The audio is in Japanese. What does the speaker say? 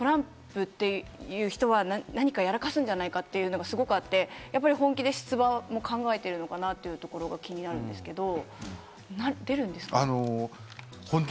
なので今回もトランプっていう人は何かやらかすんじゃないかというのがすごくあって、本気で出馬も考えてるのかな？というところが気になるんですけど、出るんですかね？